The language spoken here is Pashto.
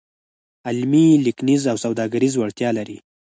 علمي، لیکنیز او سوداګریز وړتیا لري.